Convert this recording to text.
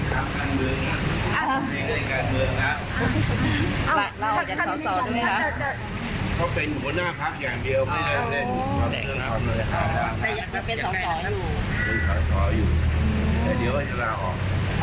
อยู่อืมแต่เดี๋ยวให้เราออกอ๋ออ๋อ